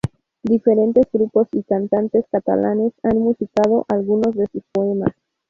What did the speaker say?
Diferentes grupos y cantantes catalanes han musicado algunos de sus poemas.